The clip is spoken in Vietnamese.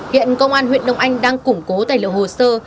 hiện công an huyện đông anh đang củng cố tài liệu hồ sơ